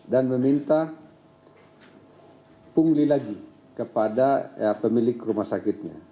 dan meminta pungli lagi kepada pemilik rumah sakitnya